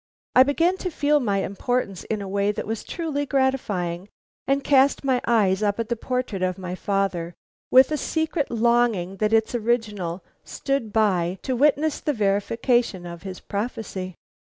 I began to feel my importance in a way that was truly gratifying, and cast my eyes up at the portrait of my father with a secret longing that its original stood by to witness the verification of his prophecy.